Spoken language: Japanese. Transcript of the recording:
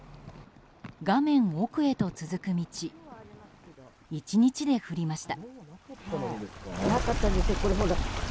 画面奥へと続く道１日で降りました。